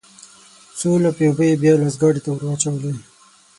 څو لپې اوبه يې بيا لاس ګاډي ته ورواچولې.